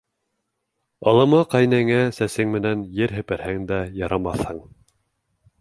Алама ҡәйнәгә сәсең менән ер һеперһәң дә ярамаҫһың.